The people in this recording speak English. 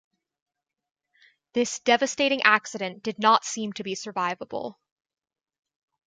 This devastating accident did not seem to be survivable.